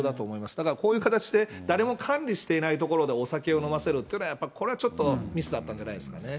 ただこういう形で誰も管理していない所でお酒を飲ませるっていうのは、これはちょっとミスだったんじゃないですかね。